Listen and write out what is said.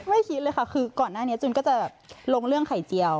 ไม่คิดเลยค่ะคือก่อนหน้านี้จุนก็จะลงเรื่องไข่เจียว